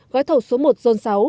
gói thầu số một zone sáu